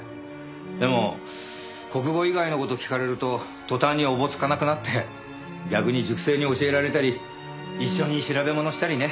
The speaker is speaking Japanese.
でも国語以外の事を聞かれると途端におぼつかなくなって逆に塾生に教えられたり一緒に調べものしたりね。